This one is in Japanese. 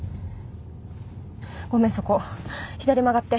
ごめんそこ左曲がって。